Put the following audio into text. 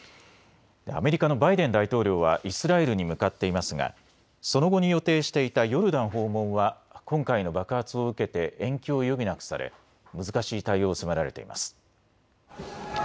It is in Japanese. アメリカのバイデン大統領はイスラエルに向かっていますがその後に予定していたヨルダン訪問は今回の爆発を受けて延期を余儀なくされ難しい対応を迫られています。